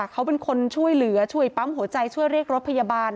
เขาเป็นคนช่วยเหลือช่วยปั๊มหัวใจช่วยเรียกรถพยาบาล